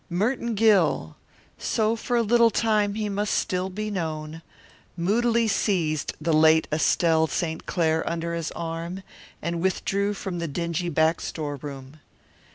Merton Gill so for a little time he must still be known moodily seized the late Estelle St. Clair under his arm and withdrew from the dingy back storeroom.